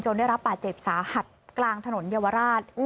จนนี้รับปาเจ็บสาหักกลางถนนเยาวราช